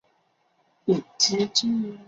隐棘真缘吸虫为棘口科真缘属的动物。